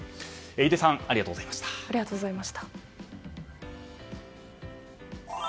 井出さんありがとうございました。